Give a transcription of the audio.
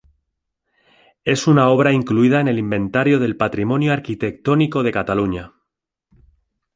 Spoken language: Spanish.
Es una obra incluida en el Inventario del Patrimonio Arquitectónico de Cataluña.